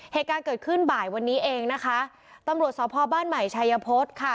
เหตุการณ์เกิดขึ้นบ่ายวันนี้เองนะคะตำรวจสพบ้านใหม่ชัยพฤษค่ะ